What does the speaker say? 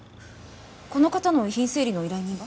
この方の遺品整理の依頼人は？